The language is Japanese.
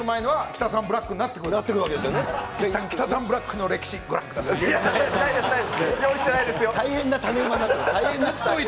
キタサンブラックの歴史、ご覧ください。